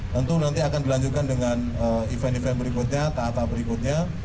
tentu nanti akan dilanjutkan dengan event event berikutnya tahap berikutnya